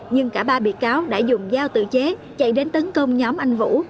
nhưng cả ba bị cáo đã dùng dao tự chế chạy đến tấn công nhóm anh vũ